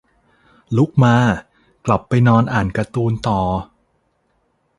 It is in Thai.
ลุกมา กลับไปนอนอ่านการ์ตูนต่อ